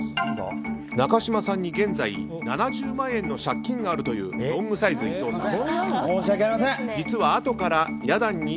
中嶋さんに現在７０万円の借金があるというロングサイズ伊藤さん。